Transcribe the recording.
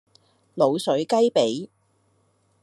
滷水雞脾